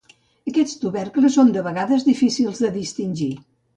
Aquests tubercles són de vegades difícils de distingir.